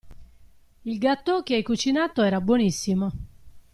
Il gattò che hai cucinato era buonissimo.